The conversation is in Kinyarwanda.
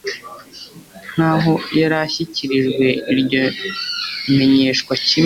nk aho yarishyikirijwe iryo menyeshwa kimwe